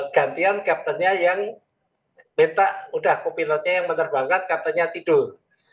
gantian kaptennya yang minta udah kopilotnya yang menerbangkan katanya tidur